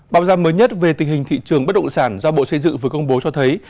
báo giam mới nhất về tình hình thị trường bất động sản do bộ xây dựng vừa công bố cho thấy